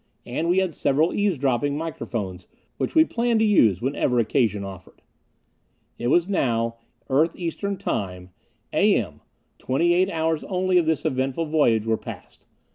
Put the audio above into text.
And we had several eavesdropping microphones which we planned to use whenever occasion offered. It was now, Earth Eastern Time, A. M. Twenty eight hours only of this eventful voyage were passed.